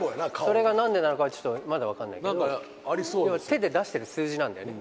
それが何でなのかはちょっとまだわかんない何かありそう手で出してる数字なんだよね